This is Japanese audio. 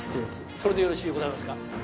それでよろしゅうございますか？